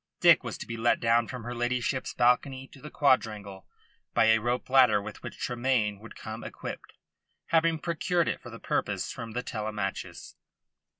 Dick was to be let down from her ladyship's balcony to the quadrangle by a rope ladder with which Tremayne would come equipped, having procured it for the purpose from the Telemachus.